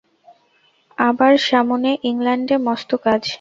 আবার সামনে ইংলণ্ডে মস্ত কাজ।